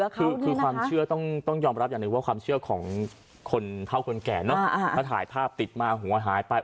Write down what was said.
เขาคนแก่เนอะมาถ่ายภาพติดมาหัวหายไป